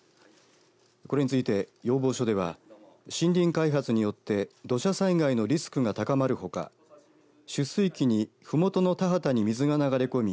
これについて要望書では森林開発によって土砂災害のリスクが高まるほか出水期にふもとの田畑に水が流れ込み